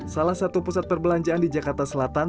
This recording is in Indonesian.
salah satu pusat perbelanjaan di jakarta selatan